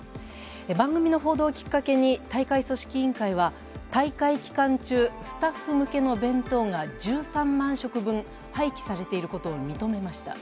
番組の報道をきっかけに大会組織委員会は大会期間中、スタッフ向けの弁当が１３万食分、廃棄されていることを認めました。